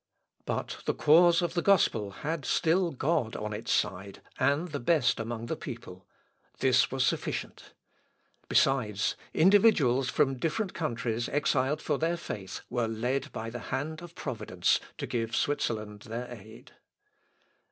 But the cause of the gospel had still God on its side and the best among the people: this was sufficient. Besides, individuals from different countries exiled for their faith were led by the hand of Providence to give Switzerland their aid.